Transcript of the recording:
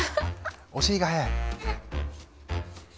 お尻が早い。